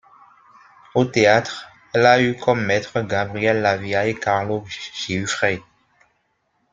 Au théâtre, elle a eu comme maîtres Gabriele Lavia et Carlo Giuffré.